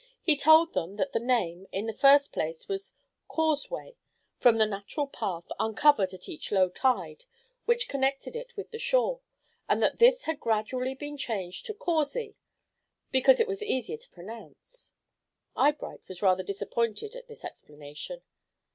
He told them that the name, in the first place, was "Causeway," from the natural path, uncovered at each low tide, which connected it with the shore, and that this had gradually been changed to "Causey," because it was easier to pronounce. Eyebright was rather disappointed at this explanation.